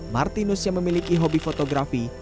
martinus yang memiliki hobi fotografi